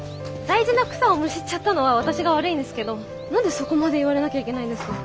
大事な草をむしっちゃったのは私が悪いんですけど何でそこまで言われなきゃいけないんですか。